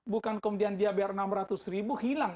bukan kemudian dia biar enam ratus ribu hilang